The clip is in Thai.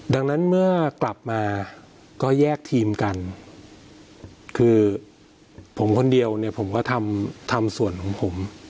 ดังนั้นเมื่อกลับมาก็แยกทีมกันคือผมคนเดียวเนี่ยผมก็ทำส่วนของผม